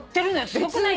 すごくない？